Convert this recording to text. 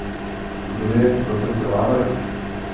Kdo je pro tento návrh?